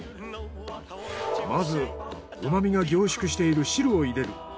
まず旨味が凝縮している汁を入れる。